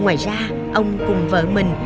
ngoài ra ông cùng vợ mình